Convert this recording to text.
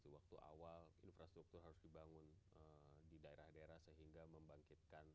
waktu awal infrastruktur harus dibangun di daerah daerah sehingga membangkitkan